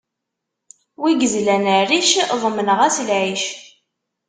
Wi yezlan rric, ḍemneɣ-as lɛic.